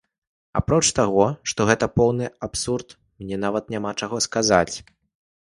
Апроч таго, што гэта поўны абсурд мне нават няма чаго сказаць.